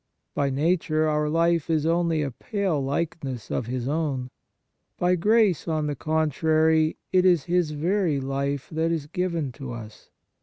By nature, our life is only a pale likeness of His own. By grace, on the contrary, it is His very life that is given to us.